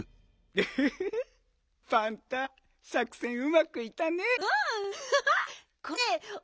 エヘヘヘパンタさくせんうまくいったね。